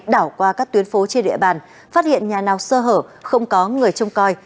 đảo qua các tuyến phố trên địa bàn phát hiện nhà nào sơ hở không có người trông coi